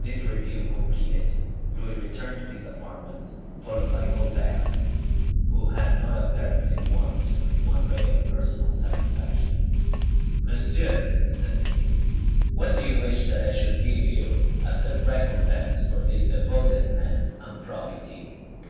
This review completed, Louis returned to his apartments, followed by Colbert, who had not apparently warmed with one ray of personal satisfaction. "Monsieur," said the king, "what do you wish that I should give you, as a recompense for this devotedness and probity?"